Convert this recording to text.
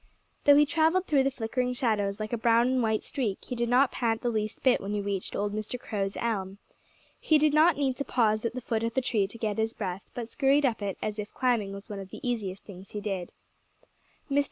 Though he travelled through the flickering shadows like a brown and white streak, he did not pant the least bit when he reached old Mr. Crow's elm. He did not need to pause at the foot of the tree to get his breath, but scurried up it as if climbing was one of the easiest things he did. Mr.